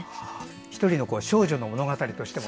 １人の少女の物語としても。